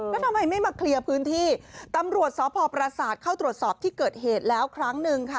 แล้วทำไมไม่มาเคลียร์พื้นที่ตำรวจสพประสาทเข้าตรวจสอบที่เกิดเหตุแล้วครั้งหนึ่งค่ะ